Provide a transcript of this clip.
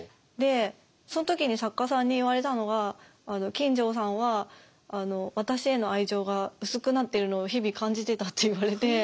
でその時に作家さんに言われたのが「金城さんは私への愛情が薄くなっているのを日々感じてた」って言われて。